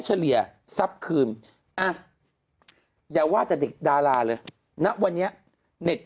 เฉลี่ยทรัพย์คืนอ่ะอย่าว่าแต่เด็กดาราเลยณวันนี้เน็ต